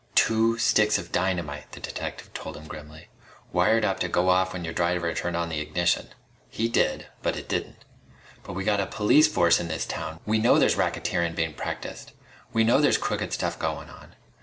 "Two sticks of dynamite," the detective told him grimly, "wired up to go off when your driver turned on the ignition. He did but it didn't. But we got a police force in this town! We know there's racketeerin' bein' practiced. We know there's crooked stuff goin' on.